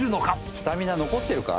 スタミナ残ってるか？